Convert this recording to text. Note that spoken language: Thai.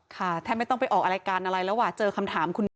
ใช่ค่ะ